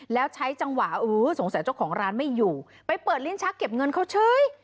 แล้วใช้จังหวะเออสงสัยเจ้าของร้านไม่อยู่ไปเปิดลิ้นชักเก็บเงินเขาเฉย